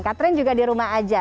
katrin juga di rumah saja